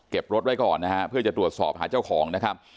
รถไว้ก่อนนะฮะเพื่อจะตรวจสอบหาเจ้าของนะครับ